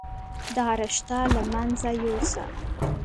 دا رشته له منځه يوسه.